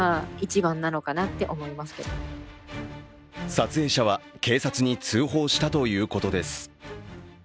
撮影者は警察に通報したということです。